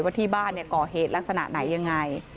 ว่าที่บ้านก่อเหตุลักษณะไหนยังไง